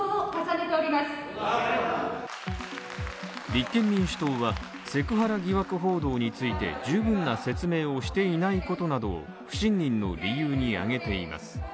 立憲民主党は、セクハラ疑惑報道について十分な説明をしていないことなどを不信任の理由に挙げています。